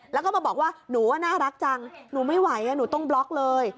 แล้วก็มาบอกว่าหนูว่าน่ารักจังหนูไม่ไหวหนูต้องบล็อกเลย